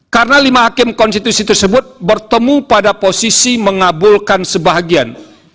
karena lima hakim konstitusi tersebut bertemu pada posisi mengabulkan sebagian